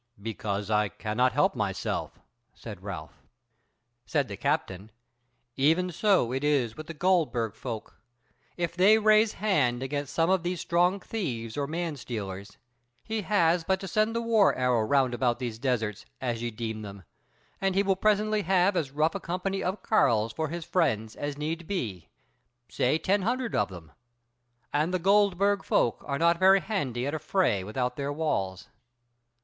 "Because I cannot help myself," said Ralph. Said the captain: "Even so it is with the Goldburg folk: if they raise hand against some of these strong thieves or man stealers, he has but to send the war arrow round about these deserts, as ye deem them, and he will presently have as rough a company of carles for his fellows as need be, say ten hundred of them. And the Goldburg folk are not very handy at a fray without their walls.